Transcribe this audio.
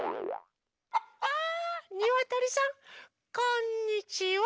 あにわとりさんこんにちは！